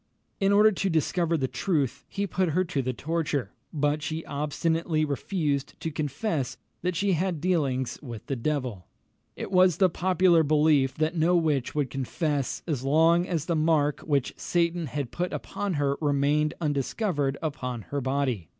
In order to discover the truth, he put her to the torture; but she obstinately refused to confess that she had dealings with the devil. It was the popular belief that no witch would confess as long as the mark which Satan had put upon her remained undiscovered upon her body.